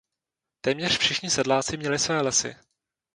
Téměř všichni sedláci měli své lesy.